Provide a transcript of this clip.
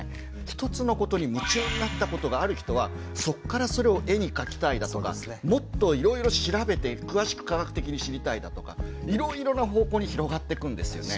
一つのことに夢中になったことがある人はそっからそれを絵に描きたいだとかもっといろいろ調べて詳しく科学的に知りたいだとかいろいろな方向に広がってくんですよね。